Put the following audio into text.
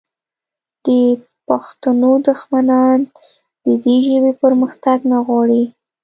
د پښتنو دښمنان د دې ژبې پرمختګ نه غواړي